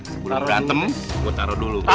sebelum dateng gua taro dulu